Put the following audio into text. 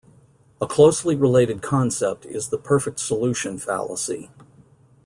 A closely related concept is the perfect solution fallacy.